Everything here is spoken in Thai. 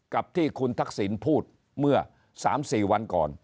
กับที่คุณทักษิณพูดเมื่อ๓๔วันก่อน